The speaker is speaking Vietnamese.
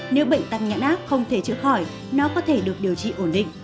nếu bệnh tắc nhãn ác không thể chữa khỏi nó có thể được điều trị ổn định